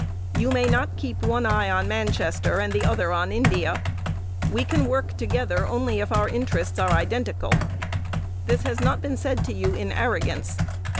You may not keep one eye on Manchester and the other on India. We can work together only if our interests are identical. "This has not been said to you in arrogance.